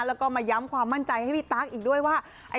แล้วก็มาย้ำความมั่นใจให้พี่ตั๊กอีกด้วยว่า